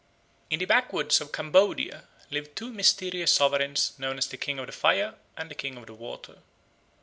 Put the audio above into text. In the backwoods of Cambodia live two mysterious sovereigns known as the King of the Fire and the King of the Water.